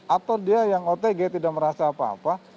atau dia yang otg tidak merasa apa apa